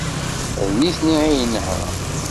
D nitni ay inehhṛen.